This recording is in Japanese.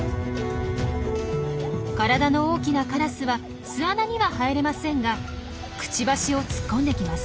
体の大きなカラスは巣穴には入れませんがくちばしを突っ込んできます。